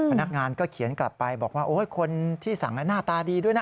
พนักงานก็เขียนกลับไปบอกว่าโอ้ยคนที่สั่งหน้าตาดีด้วยนะ